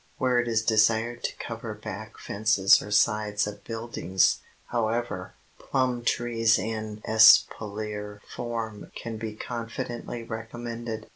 Where it is desired to cover back fences or sides of buildings, however, plum trees in espalier form can be confidently recommended.